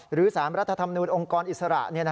หรือ๓รัฐธรรมนูญองค์กรอิสระ